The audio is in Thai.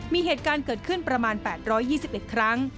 มีเหตุการณ์เกิดขึ้นประมาณ๘๒๑ครั้ง